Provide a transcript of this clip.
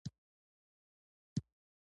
امپلیتیوډ د موج لوړوالی ښيي.